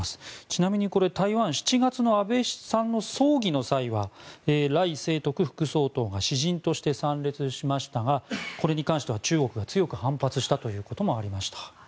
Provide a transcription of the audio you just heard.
ちなみに、台湾７月の安倍さんの葬儀の際は頼清徳副総統が私人として参列しましたがこれに関しては中国が強く反発したということがありました。